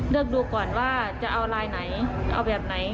เลือกดูก่อนว่าจะเอาลายไหนเอาแบบไหน